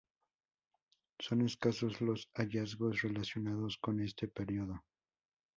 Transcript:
Son escasos los hallazgos relacionados con este período.